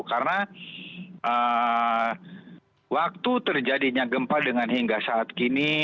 karena waktu terjadinya gempa dengan hingga saat ini